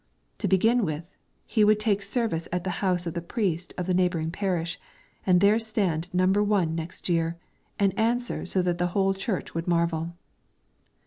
To begin with, he would take service at the house of the priest of the neighboring parish, and there stand number one next year, and answer so that the whole church would marvel.